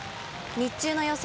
日中の予想